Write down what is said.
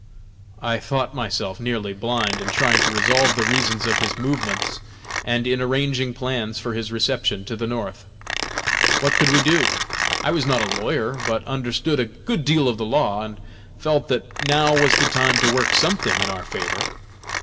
I thought myself nearly blind in trying to solve the reasons of his movement, and in arranging plans for his reception in the North. What could we do? I was not a lawyer, but understood a good deal of the law, and felt that now was the time to work something in our favor.